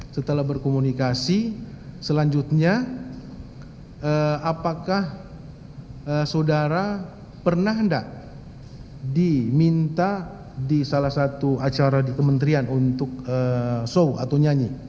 setelah berkomunikasi selanjutnya apakah saudara pernah enggak diminta di salah satu acara di kementerian untuk show atau nyanyi